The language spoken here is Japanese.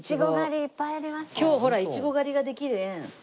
今日ほらイチゴ狩りができる園。